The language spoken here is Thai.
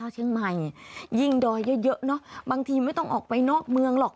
เชียงใหม่ยิ่งดอยเยอะเนอะบางทีไม่ต้องออกไปนอกเมืองหรอก